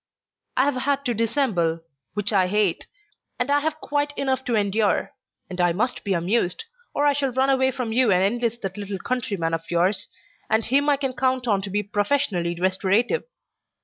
"I have had to dissemble, which I hate, and I have quite enough to endure, and I must be amused, or I shall run away from you and enlist that little countryman of yours, and him I can count on to be professionally restorative.